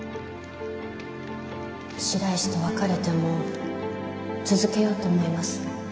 白石と別れても続けようと思います。